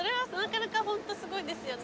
すごいですよね。